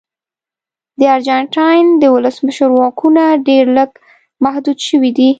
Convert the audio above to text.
د ارجنټاین د ولسمشر واکونه ډېر لږ محدود شوي دي.